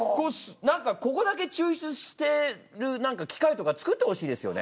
何かここだけ抽出してる何か機械とか作ってほしいですよね。